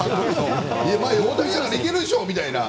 大谷だからいけるでしょうみたいな。